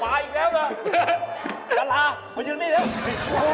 มาอีกแล้วครับ